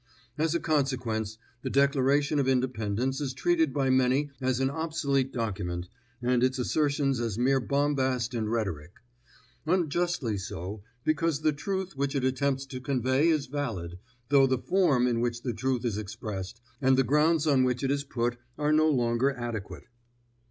As a consequence, the Declaration of Independence is treated by many as an obsolete document, and its assertions as mere bombast and rhetoric; unjustly so, because the truth which it attempts to convey is valid, though the form in which the truth is expressed and the grounds on which it is put are no longer adequate.